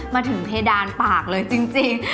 มาถึงเพดานปากเลยจริง